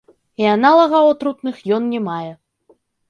І аналагаў атрутных ён не мае.